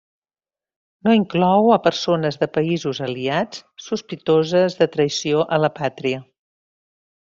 No inclou a persones dels països Aliats sospitoses de traïció a la pàtria.